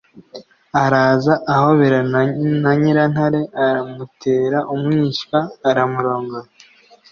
araza ahoberana na nyirantare, amutera umwishywa, aramurongora.